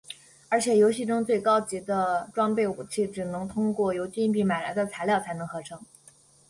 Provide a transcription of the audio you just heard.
而且游戏中最高级的装备武器只能通过由金币买来的材料才能合成。